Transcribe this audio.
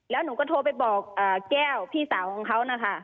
แล้วหนูก็โทรไปบอกแก้วพี่สาวของเขานะคะ